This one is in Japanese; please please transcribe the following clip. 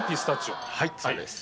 はいそうです。